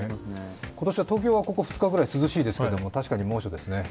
今年は東京はここ２日ぐらい涼しいですけど、確かに猛暑ですね。